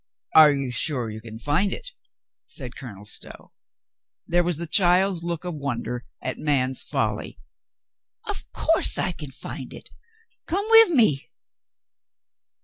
"Are you sure you can find it?" said Colonel Stow. There was the child's look of wonder at man's folly. "Of course I can find it. Come wiv me."